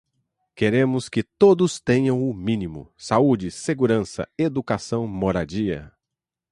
Queremos que todos tenham o mínimo: saúde, segurança, educação, moradia